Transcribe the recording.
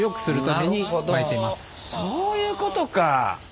そういうことか！